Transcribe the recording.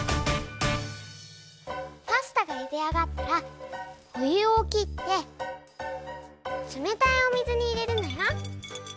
パスタがゆであがったらおゆをきってつめたいおみずにいれるのよ。